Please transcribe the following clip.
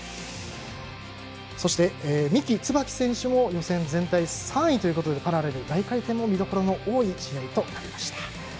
そして、三木つばき選手も予選全体３位ということでパラレル大回転も見どころ多い試合となりました。